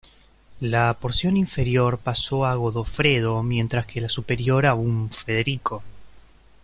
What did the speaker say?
La porción inferior pasó a Godofredo mientras que la superior a un Federico.